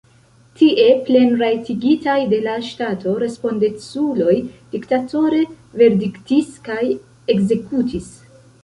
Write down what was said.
Tie, plenrajtigitaj de la ŝtato, respondeculoj diktatore verdiktis kaj ekzekutis.